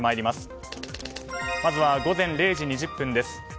まずは午前０時２０分です。